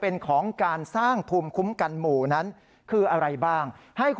ตอนต่อไป